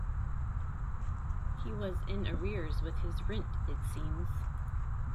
He was in arrears with his rent, it seems.